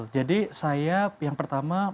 jadi saya yang pertama